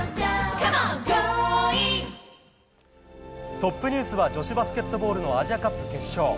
トップニュースは女子バスケットボールのアジアカップ決勝。